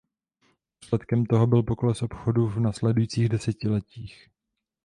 Důsledkem toho byl pokles obchodu v následujících desetiletích.